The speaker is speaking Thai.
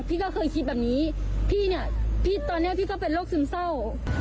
พี่ก็เคยคิดแบบนี้พี่เนี่ยพี่ตอนนี้พี่ก็เป็นโรคซึมเศร้า